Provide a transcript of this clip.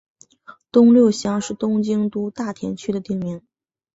东六乡是东京都大田区的町名。